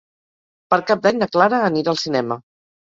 Per Cap d'Any na Clara anirà al cinema.